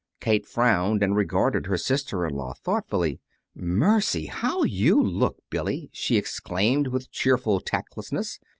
Kate frowned, and regarded her sister in law thoughtfully. "Mercy! how you look, Billy!" she exclaimed, with cheerful tactlessness.